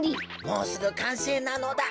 もうすぐかんせいなのだ。